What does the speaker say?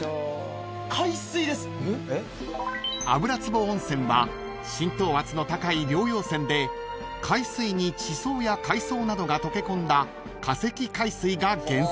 ［油壺温泉は浸透圧の高い療養泉で海水に地層や海藻などが溶け込んだ化石海水が源泉なんだそう］